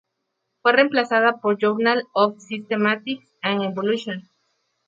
Fue reemplazada por "Journal of Systematics and Evolution".